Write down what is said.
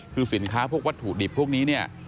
คือสินค้าพวกวัตถุดิบพวกนี้เนี่ย